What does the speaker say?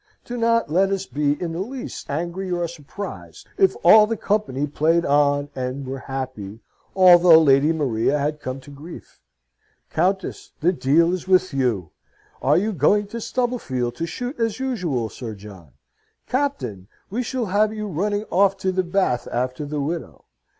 Do not let us be in the least angry or surprised if all the company played on, and were happy, although Lady Maria had come to grief. Countess, the deal is with you! Are you going to Stubblefield to shoot as usual, Sir John? Captain, we shall have you running off to the Bath after the widow!